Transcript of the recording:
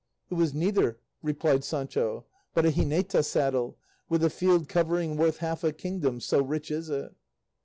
"It was neither," replied Sancho, "but a jineta saddle, with a field covering worth half a kingdom, so rich is it."